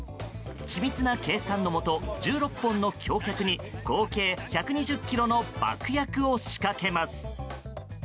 緻密な計算のもと１６本の橋脚に合計１２０ｋｇの爆薬を仕掛けます。